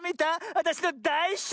わたしのだいしょ